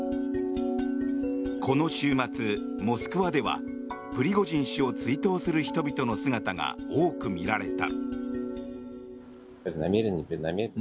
この週末、モスクワではプリゴジン氏を追悼する人々の姿が多く見られた。